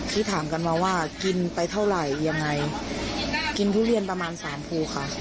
ที่ถามกันมาว่ากินไปเท่าไหร่ยังไงกินทุเรียนประมาณสามภูค่ะ